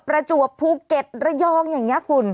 ประจวบภูเก็ตระยองอย่างนี้คุณ